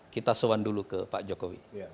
kita sewan dulu ke pak jokowi